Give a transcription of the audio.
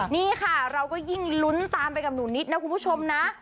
นี่ค่ะเราก็ยิ่งลุ้นตามไปกับหนูนิดนะคุณผู้ชมนะ